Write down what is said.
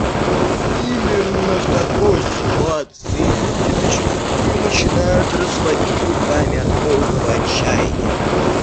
Именно в такой ситуации люди зачастую начинают разводить руками от полного отчаяния.